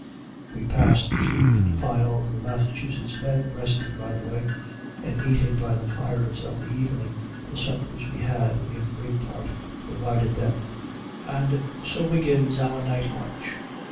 We passed through the files of the Massachusetts men, resting by the way, and eating by the fires of the evening the suppers we had in great part provided them; and so begins our night march.